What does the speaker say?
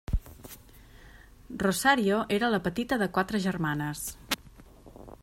Rosario era la petita de quatre germanes.